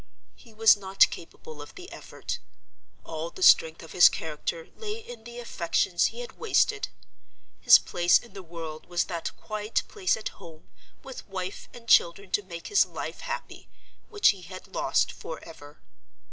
He was not capable of the effort; all the strength of his character lay in the affections he had wasted. His place in the world was that quiet place at home, with wife and children to make his life happy, which he had lost forever.